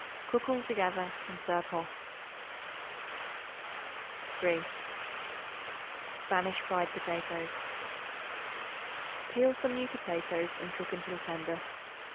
Cook all together and serve hot. 3. Spanish Fried Potatoes. Peel some new potatoes and cook until tender.